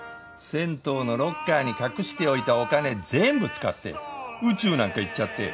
銭湯のロッカーに隠しておいたお金全部使って宇宙なんか行っちゃって。